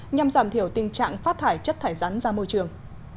nhằm giảm thiểu tình trạng phát thải chất thải rắn ra môi trường